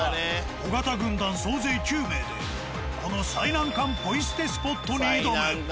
尾形軍団総勢９名でこの「最難関ポイ捨てスポット」。